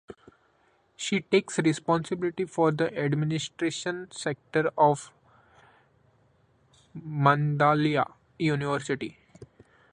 She takes responsibility for the administration sector of Mandalay University.